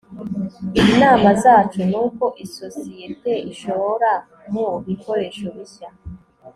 Inama zacu nuko isosiyete ishora mubikoresho bishya